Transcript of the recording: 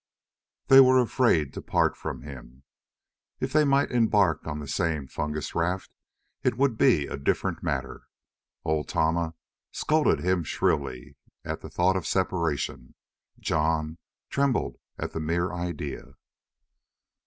They were afraid to part from him. If they might embark on the same fungus raft, it would be a different matter. Old Tama scolded him shrilly at the thought of separation. Jon trembled at the mere idea.